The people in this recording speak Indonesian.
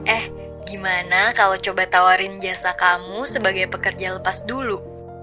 eh gimana kalau coba tawarin jasa kamu sebagai pekerja lepas dulu